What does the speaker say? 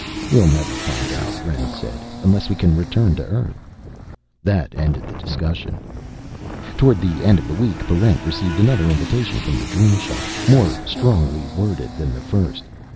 "We'll never find out," Rend said, "unless we can return to Earth." That ended the discussion. Toward the end of the week, Barrent received another invitation from the Dream Shop, more strongly worded than the first.